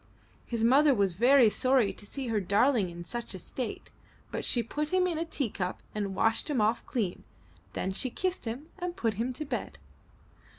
His mother was very sorry to see her darling in such a state, but she put him in a teacup and washed him off clean; then she kissed him and put him to bed.